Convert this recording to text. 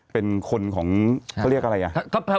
เป็นคนของเขาเรียกอะไรอ่ะ